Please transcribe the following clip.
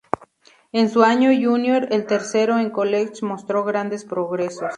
En su año junior, el tercero en college, mostró grandes progresos.